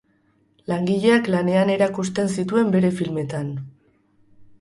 Langileak lanean erakusten zituen bere filmetan.